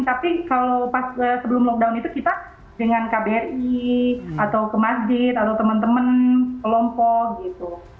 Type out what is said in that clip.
tapi kalau pas sebelum lockdown itu kita dengan kbri atau ke masjid atau teman teman kelompok gitu